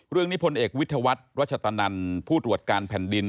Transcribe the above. เรื่องนิพนธ์เอกวิทยาวัฒน์รัชตนันผู้ตรวจการแผ่นดิน